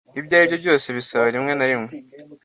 Ibyo aribyo byose bisaba rimwe na rimwe.